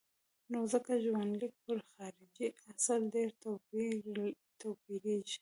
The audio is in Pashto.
نو ځکه ژوندلیک پر خارجي اصل ډېر توپیرېږي.